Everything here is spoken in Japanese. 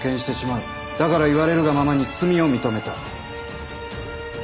だから言われるがままに罪を認めた。